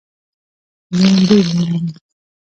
ژوند ډېر لنډ ده